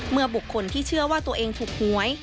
บุคคลที่เชื่อว่าตัวเองถูกหวย